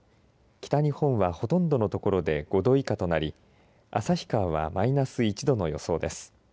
北日本は、ほとんどの所で５度以下となり旭川はマイナス１度の予想です。